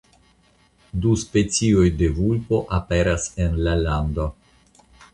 Du specioj de vulpo aperas en la lando.